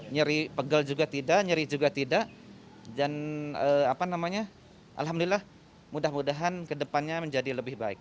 nyeri pegel juga tidak nyeri juga tidak dan alhamdulillah mudah mudahan kedepannya menjadi lebih baik